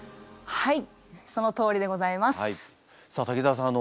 はい。